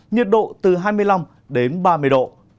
nhiệt độ từ hai mươi năm ba mươi độ